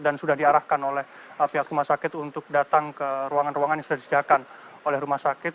dan sudah diarahkan oleh pihak rumah sakit untuk datang ke ruangan ruangan yang sudah disediakan oleh rumah sakit